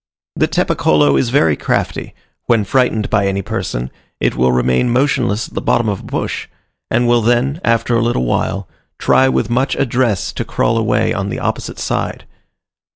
The Tapacolo is very crafty: when frightened by any person, it will remain motionless at the bottom of a bush, and will then, after a little while, try with much address to crawl away on the opposite side.